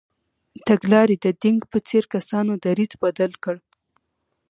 تګلارې د دینګ په څېر کسانو دریځ بدل کړ.